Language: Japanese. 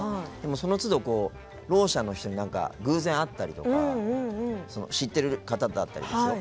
そのつど、ろう者の方に偶然、会ったりとか知ってる方だったりですよ。